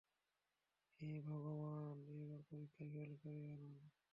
হেই ভগবান এইবার পরীক্ষায় ফেল করিয়ো না।